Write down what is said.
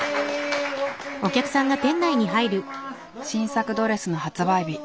新作ドレスの発売日。